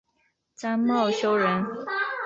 张懋修人。